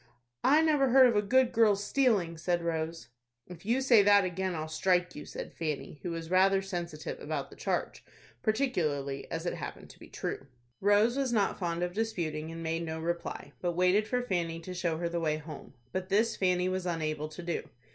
"I never heard of a good girl's stealing," said Rose. "If you say that again, I'll strike you," said Fanny, who was rather sensitive about the charge, particularly as it happened to be true. Rose was not fond of disputing, and made no reply, but waited for Fanny to show her the way home. But this Fanny was unable to do.